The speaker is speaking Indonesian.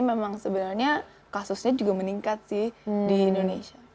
memang sebenarnya kasusnya juga meningkat sih di indonesia